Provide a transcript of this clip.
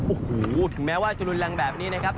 โอ้โหถึงแม้ว่าจะรุนแรงแบบนี้นะครับ